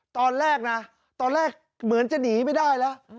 ตอนแรกนะตอนแรกเหมือนจะหนีไม่ได้แล้ว